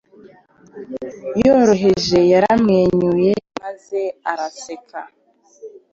Yoroheje Yaramwenyuye maze araseka,